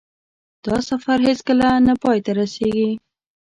دا سفر هېڅکله نه پای ته رسېږي.